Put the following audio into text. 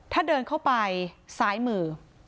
ถ้าเดินเข้าไปซ้ายมือ